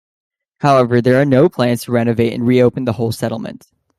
However, there are no plans to renovate and reopen the whole settlement.